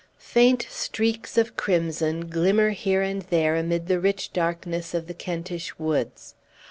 Faint streaks of crimson glimmer here and there amid the rich darkness of the Kentish woods.